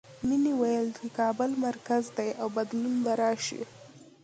مینې ویل چې کابل مرکز دی او بدلون به راشي